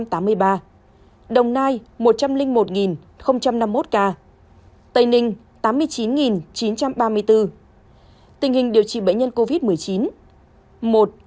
tình hình điều trị bệnh nhân covid một mươi chín